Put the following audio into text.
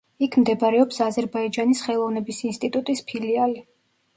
იქ მდებარეობს აზერბაიჯანის ხელოვნების ინსტიტუტის ფილიალი.